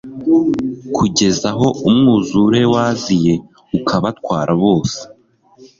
kugeza aho umwuzure waziye ukabatwara bose